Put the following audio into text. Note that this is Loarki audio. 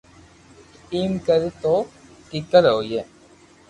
تو ايم ڪري تو ڪيڪر ھوئي